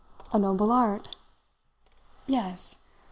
A noble art? Yes.